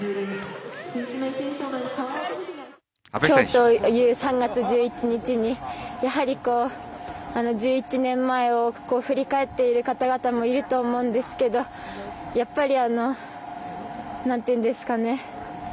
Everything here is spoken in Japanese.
きょうという３月１１日にやはりこう１１年前を振り返っているかたがたもいると思うんですけどやっぱりなんていうんですかね